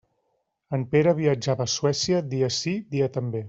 En Pere viatjava a Suècia dia sí, dia també.